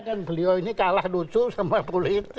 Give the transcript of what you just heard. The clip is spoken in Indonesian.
karena kan beliau ini kalah lucu sama politik